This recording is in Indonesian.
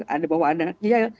ada bahwa anak jahil